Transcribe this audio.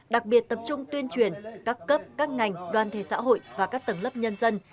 đặc biệt tập trung tuyên truyền các cấp các ngành đoàn thể xã hội và các tầng lớp nhân dân